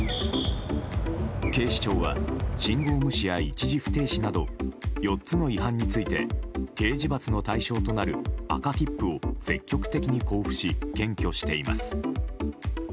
警視庁は信号無視や一時不停止など４つの違反について刑事罰の対象となる赤切符を積極的に交付し検挙しています。